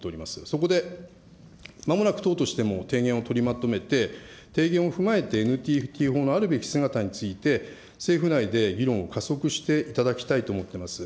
そこで、まもなく党としても提言を取りまとめて、提言を踏まえてＮＴＴ法のあるべき姿について、政府内で議論を加速していただきたいと思っています。